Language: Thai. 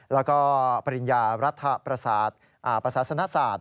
แล้วก็ปริญญารัฐประศาสนศาสตร์